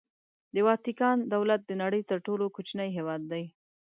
د واتیکان دولت د نړۍ تر ټولو کوچنی هېواد دی.